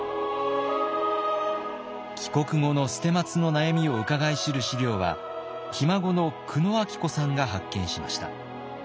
帰国後の捨松の悩みをうかがい知る資料はひ孫の久野明子さんが発見しました。